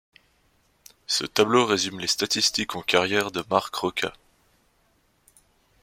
Ce tableau résume les statistiques en carrière de Marc Roca.